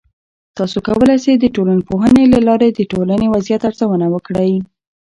تاسې کولای سئ د ټولنپوهنې له لارې د ټولنې وضعیت ارزونه وکړئ.